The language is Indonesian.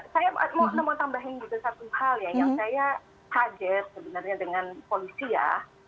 saya mau tambahin gitu satu hal ya yang saya kaget sebenarnya dengan polisi ya